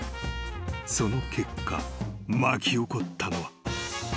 ［その結果巻き起こったのは］